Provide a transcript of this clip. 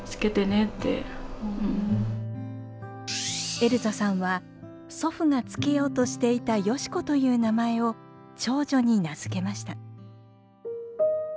エルザさんは祖父が付けようとしていた「ヨシコ」という名前を長女に名付けました。